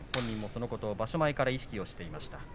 そのことを場所前から意識していました。